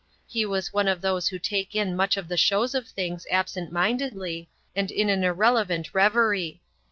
He was one of those who take in much of the shows of things absent mindedly, and in an irrelevant reverie.